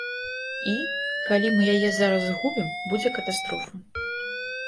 І, калі мы яе зараз згубім, будзе катастрофа.